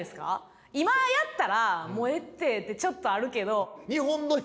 今やったら「もうええって」ってちょっとあるけど。